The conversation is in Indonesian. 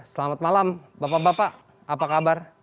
selamat malam bapak bapak apa kabar